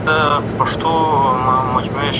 ادعا کوي، چي پښتانه د حضرت سلیمان عليه السلام